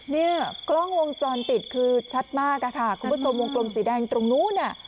เนี่ยกล้องวงจรปิดคือชัดมากอะค่ะคุณผู้ชมวงกลมสีแดงตรงนู้นอ่ะ